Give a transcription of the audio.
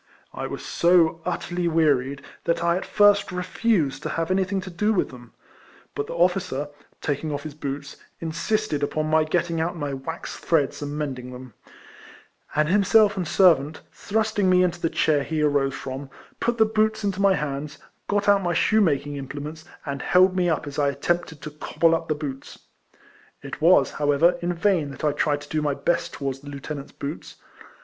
I was so utterly wearied, that I at first refused to have anything to do with tliem; but the officer, taking off his boots, insisted upon my getting out my wax threads and mending them; and himself and servant, thrusting me into the chair he arose from, put the boots into my hands, got out my shoemaking im plements, and held me up as I attempted to cobble up the boots. It was, however, in vain that I tried to do my best towards the lieutenant's boots.